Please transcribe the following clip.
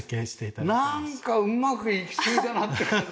なんかうまくいきすぎだなって。